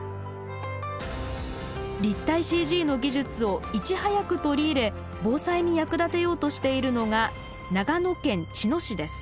立体ＣＧの技術をいち早く取り入れ防災に役立てようとしているのが長野県茅野市です。